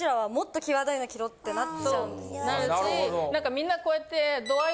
みんなこうやって。